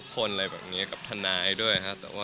คนอะไรแบบนี้ด้วยครับ